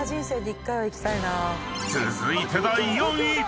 ［続いて第４位］